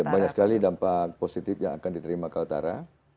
banyak sekali dampak positif yang akan diterima kaltara